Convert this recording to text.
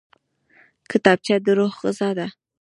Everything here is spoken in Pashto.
کتابچه د روح غذا ده